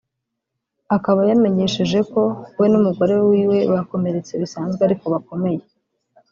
akaba yamenyesheje ko we n’umugore wiwe bakomeretse bisanzwe ariko bakomeye